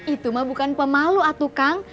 itu mah bukan pemalu atu kang